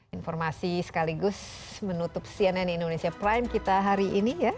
informasi sekaligus menutup cnn indonesia prime kita hari ini ya